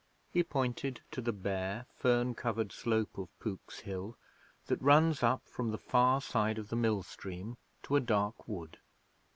He pointed to the bare, fern covered slope of Pook's Hill that runs up from the far side of the mill stream to a dark wood.